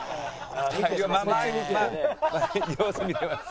様子見てますよ。